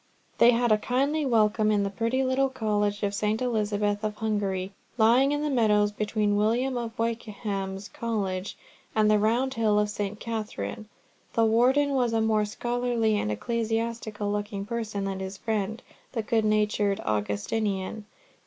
They had a kindly welcome in the pretty little college of St. Elizabeth of Hungary, lying in the meadows between William of Wykeham's College and the round hill of St. Catharine. The Warden was a more scholarly and ecclesiastical looking person than his friend, the good natured Augustinian.